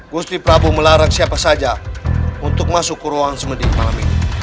gusti prabu melarang siapa saja untuk masuk ke ruang semedi malam ini